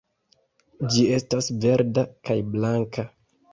Ĝi estas verda kaj blanka.